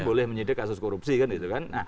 boleh menyidik kasus korupsi kan